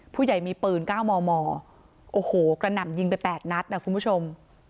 ผู้ใหญ่มีปืน๙มมโอ้โหกระหน่ำยิงไป๘นัดนะคุณผู้ชม